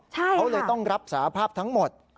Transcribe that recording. เขาเลยต้องรับสาภาพทั้งหมด